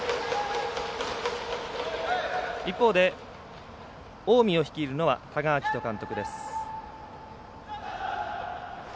一方で、近江を率いるのは多賀章仁監督です。